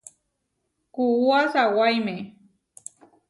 Kuúa sawáime.